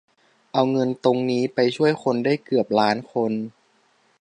เอาเงินตรงนี้ไปช่วยคนได้เกือบล้านคน